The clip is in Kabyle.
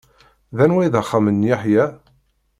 D anwa i d axxam n Yeḥya?